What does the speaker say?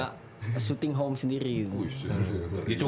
mau sudah punya shooting home sendiri gitu